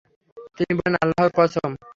তিনি বললেন, আল্লাহর কসম!